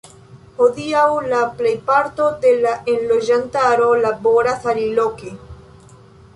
Hodiaŭ la plejparto de la enloĝantaro laboras aliloke.